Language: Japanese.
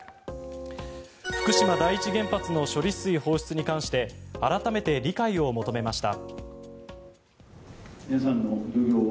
福島第一原発の処理水放出に関して改めて理解を求めました。